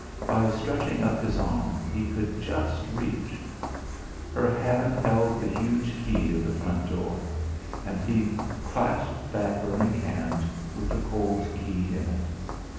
By stretching up his arm he could just reach. Her hand held the huge key of the front door, and he clasped that burning hand with the cold key in it.